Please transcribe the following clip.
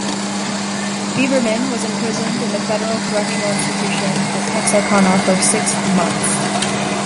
Biberman was imprisoned in the Federal Correctional Institution at Texarkana for six months.